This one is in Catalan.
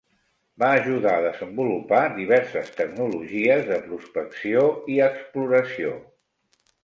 Va ajudar a desenvolupar diverses tecnologies de prospecció i exploració.